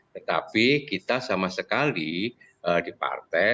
tetapi kita sama sekali di partai